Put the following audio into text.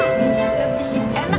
aku juga mau ikut nyari